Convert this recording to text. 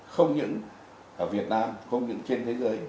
không những ở việt nam không những trên thế giới